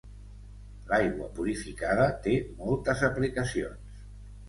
L'aigua purificada té moltes aplicacions.